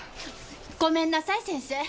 ごめんなさい先生。